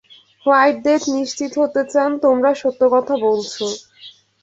White death নিশ্চিত হতে চান তোমরা সত্য কথা বলছো।